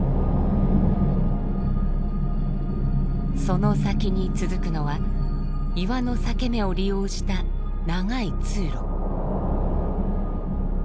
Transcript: その先に続くのは岩の裂け目を利用した長い通路。